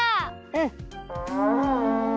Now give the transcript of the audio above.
うん。